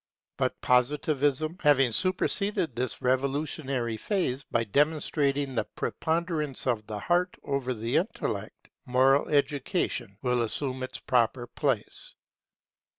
But Positivism having superseded this revolutionary phase by demonstrating the preponderance of the heart over the intellect, moral education will resume its proper place.